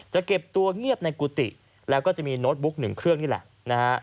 จะเก็บตัวเงียบในกุฏิแล้วก็จะมีโน้ตบุ๊กหนึ่งเครื่องนี่แหละนะฮะ